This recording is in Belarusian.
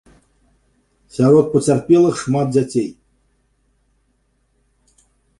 Сярод пацярпелых шмат дзяцей.